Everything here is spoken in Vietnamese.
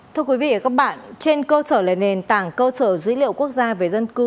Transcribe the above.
thưa quý vị và các bạn trên cơ sở là nền tảng cơ sở dữ liệu quốc gia về dân cư